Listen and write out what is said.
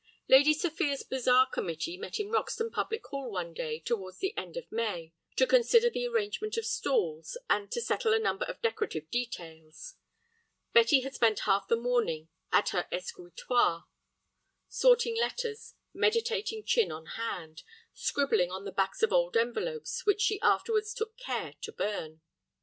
Lady Sophia's Bazaar Committee met in Roxton public hall one day towards the end of May, to consider the arrangement of stalls, and to settle a number of decorative details. Betty had spent half the morning at her escritoire sorting letters, meditating chin on hand, scribbling on the backs of old envelopes, which she afterwards took care to burn.